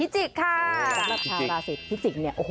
สำหรับชาวราศีพิจิกษ์เนี่ย